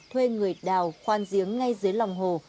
thuê người đào khoan giếng ngay dưới lòng hồ